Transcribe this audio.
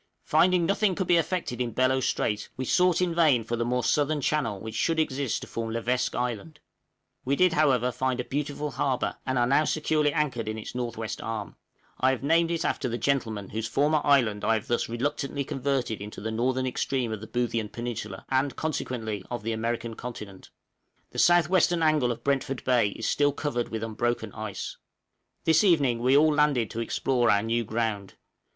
Finding nothing could be effected in Bellot Strait, we sought in vain for the more southern channel which should exist to form Levesque Island: we did, however, find a beautiful harbor, and are now securely anchored in its north west arm; I have named it after the gentleman whose former island I have thus reluctantly converted into the northern extreme of the Boothian Peninsula, and consequently of the American continent. The south western angle of Brentford Bay is still covered with unbroken ice. This evening we all landed to explore our new ground.